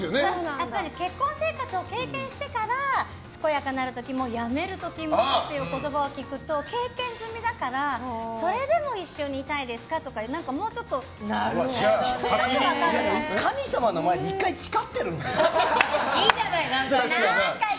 やっぱり結婚生活を経験してから健やかなる時もやめる時もっていう言葉を聞くと経験済みだから、それでも一緒にいたいですか？とか神様の前でいいじゃない、何回でも。